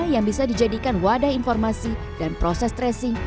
yang bisa dijadikan wadah informasi dan proses tracing